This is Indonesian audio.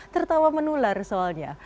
tertawa menular soalnya